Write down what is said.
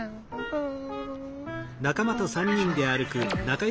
うん。